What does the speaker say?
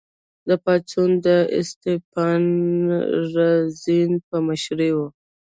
دا پاڅون د اسټپان رزین په مشرۍ و.